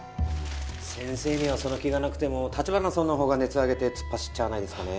先生にはその気がなくても、橘さんのほうが熱上げて突っ走っちゃわないですかね。